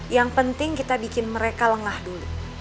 yang penting kita bikin mereka lengah dulu